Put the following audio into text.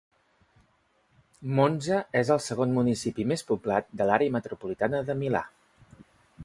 Monza és el segon municipi més poblat de l'àrea metropolitana de Milà.